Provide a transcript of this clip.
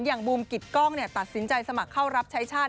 บูมกิตกล้องตัดสินใจสมัครเข้ารับใช้ชาติ